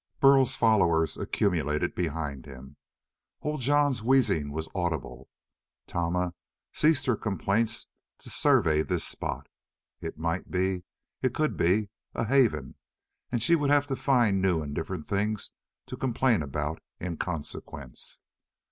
Burl's followers accumulated behind him. Old Jon's wheezing was audible. Tama ceased her complaints to survey this spot. It might be it could be a haven, and she would have to find new and different things to complain about in consequence.